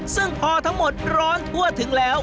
ซึ่งพอทั้งหมดร้อนทั่วถึงแล้ว